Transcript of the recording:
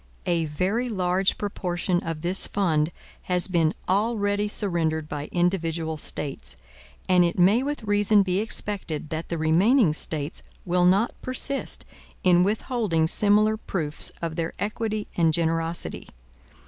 A very large proportion of this fund has been already surrendered by individual States; and it may with reason be expected that the remaining States will not persist in withholding similar proofs of their equity and generosity.